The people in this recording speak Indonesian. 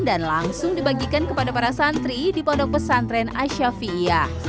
dan langsung dibagikan kepada para santri di pondok pesantren asyafi'iyah